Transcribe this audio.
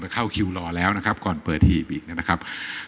เข้าคิวรอแล้วนะครับก่อนเปิดหีบอีกนะครับ